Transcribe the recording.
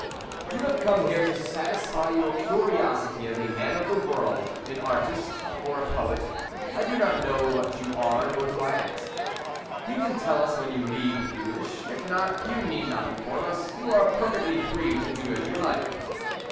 "You have come here to satisfy your curiosity as a man of the world, an artist, or a poet. I do not know what you are, nor do I ask; you can tell us when you leave, if you wish; if not, you need not inform us; you are perfectly free to do as you like.